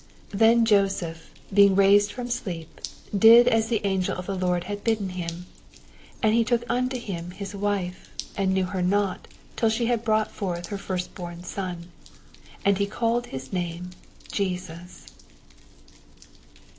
24 Then Joseph being raised from sleep, did as the anffel of the Lord had biddeii him, and took unto him his wife t 25 And knew her not till she had brought forth her firstborn son : and he cfQled his name JESUS.